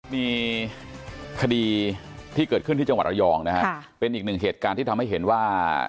มีคดีที่เกิดขึ้นที่จังหวัดระยองนะฮะเป็นอีกหนึ่งเหตุการณ์ที่ทำให้เห็นว่า